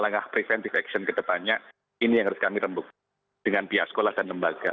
langkah preventif action kedepannya ini yang harus kami rembuk dengan pihak sekolah dan lembaga